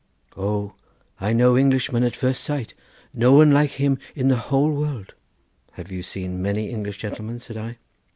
"O, I know Englishman at first sight; no one like him in the whole world." "Have you seen many English gentlemen?" said I.